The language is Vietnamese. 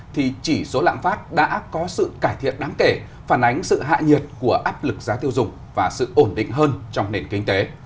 thì chỉ số lạm phát đã có sự cải thiện đáng kể phản ánh sự hạ nhiệt của áp lực giá tiêu dùng và sự ổn định hơn trong nền kinh tế